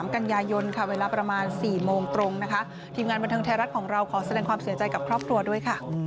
ก็ไปอย่างสบาย